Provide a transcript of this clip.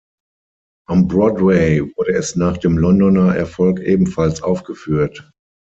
Am Broadway wurde es nach dem Londoner Erfolg ebenfalls aufgeführt.